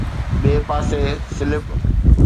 ٻئي پاسي سلپ